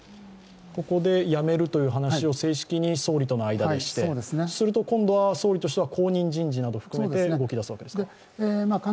ここで辞めるという話を正式に総理との間でして、すると今度は総理としては後任人事など含めて動き出すわけですか。